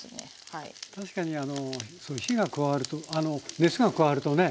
確かに火が加わると熱が加わるとね